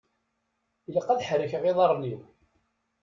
Ilaq ad ḥerkeɣ iḍaṛṛen-iw.